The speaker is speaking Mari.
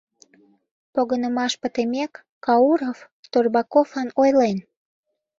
Погынымаш пытымек, Кауров Турбаковлан ойлен: